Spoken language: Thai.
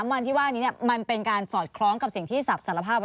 ๓วันที่ว่านี้มันเป็นการสอดคล้องกับสิ่งที่สาปศัษฐภาพ